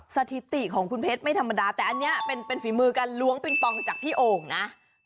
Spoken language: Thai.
สถิติของประมาดฐะแต่อันนี้เป็นฝีมือการล้วงพิงปองจากพี่โอ่งนะ